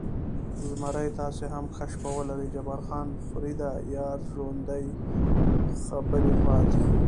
زمري: تاسې هم ښه شپه ولرئ، جبار خان: فرېډه، یار ژوندی، خبرې پاتې.